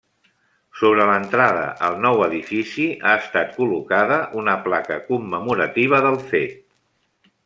Sobre l'entrada al nou edifici ha estat col·locada una placa commemorativa del fet.